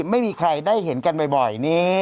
ไม่มีใครได้เห็นกันบ่อย